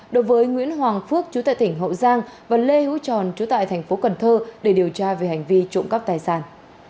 đối với nguyễn hoàng phước chú tại tỉnh hậu giang và lê hữu tròn chú tại thành phố cần thơ để điều tra về hành vi trộm cắp tài sản